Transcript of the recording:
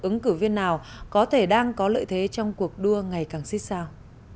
ứng cử viên nào có thể đang có lợi thế trong cuộc đua ngày càng xích sao